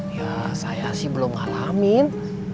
ya saya sih belum alamin